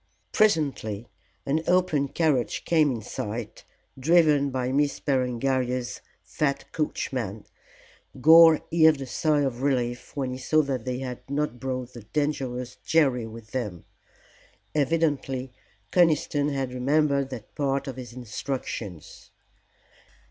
Presently an open carriage came in sight driven by Miss Berengaria's fat coachman. Gore heaved a sigh of relief when he saw that they had not brought the dangerous Jerry with them. Evidently Conniston had remembered that part of his instructions.